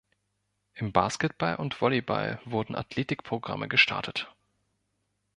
Im Basketball und Volleyball wurden Athletikprogramme gestartet.